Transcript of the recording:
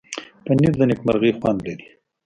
پنېر د نېکمرغۍ خوند لري.